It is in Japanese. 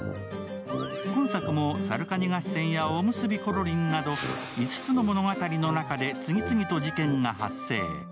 今作も「さるかに合戦」や「おむすびころりん」など５つの物語の中で次々と事件が発生。